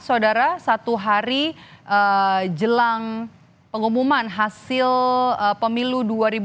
saudara satu hari jelang pengumuman hasil pemilu dua ribu dua puluh